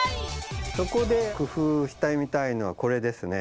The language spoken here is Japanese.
そこで工夫してみたいのはこれですね。